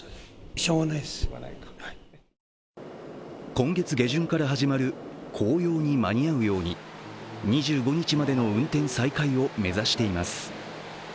今月下旬から始まる紅葉に間に合うように２５日までの運転再開を目指しています。